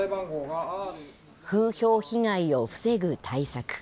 風評被害を防ぐ対策。